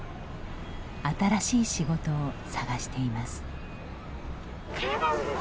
新しい仕事を探しています。